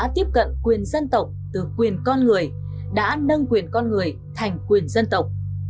tiếp cận quyền dân tộc từ quyền con người đã nâng quyền con người thành quyền dân tộc